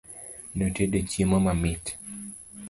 Notedo chiemo mamit